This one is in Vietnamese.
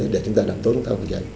để chúng ta làm tốt